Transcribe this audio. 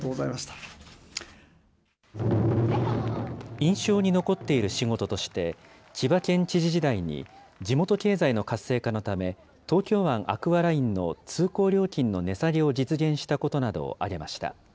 印象に残っている仕事として、千葉県知事時代に地元経済の活性化のため、東京湾アクアラインの通行料金の値下げを実現したことなどを挙げました。